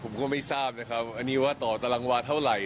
พี่อันนี้ผมก็ไม่ทราบนะครับอันนี้ว่าต่อตรังวาดเท่าไหร่